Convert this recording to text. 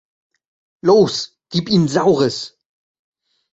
Los, gib ihnen Saures!